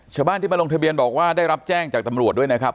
ชาวบ้านที่มาลงทะเบียนบอกว่าได้รับแจ้งจากตำรวจด้วยนะครับ